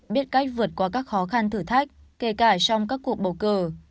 biết cách vượt qua các khó khăn thử thách kể cả trong các cuộc bầu cử